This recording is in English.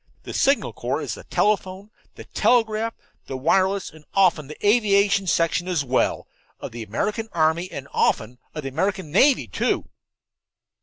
The Signal Corps is the telephone, the telegraph, the wireless, and often the aviation section as well, of the American army, and often of the American navy, too."